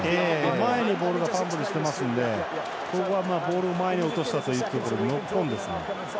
前にボールがファンブルしてますのでここはボールを前に落としたということでノックオンですね。